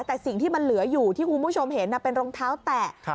แต่สิ่งที่มันเหลืออยู่ที่คุณผู้ชมเห็นเป็นรองเท้าแตะ